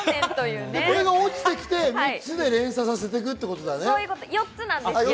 これが落ちてきて連鎖させていくっていうことだね。